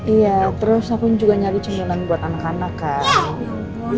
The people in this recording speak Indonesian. iya terus aku juga nyari cembulan buat anak anak kan